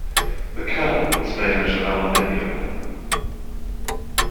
The can was made out of aluminium.